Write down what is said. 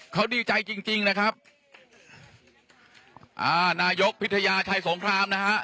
เขาดีใจจริงจริงนะครับอ่านายกพิทยาชัยสงครามนะฮะ